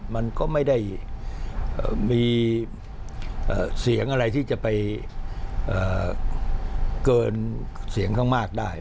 มันก็ไม่ได้มีเสียงอะไรที่จะไปเกินเสียงข้างมากได้